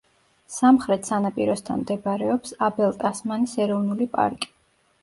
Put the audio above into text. სამხრეთ სანაპიროსთან მდებარეობს აბელ ტასმანის ეროვნული პარკი.